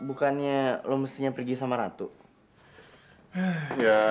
udah lah sana kerja lagi lah